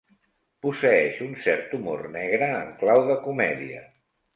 Posseeix un cert humor negre en clau de comèdia.